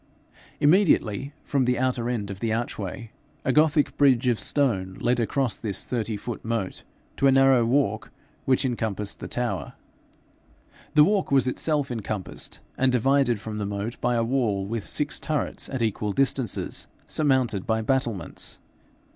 Immediately from the outer end of the archway, a Gothic bridge of stone led across this thirty foot moat to a narrow walk which encompassed the tower. The walk was itself encompassed and divided from the moat by a wall with six turrets at equal distances, surmounted by battlements.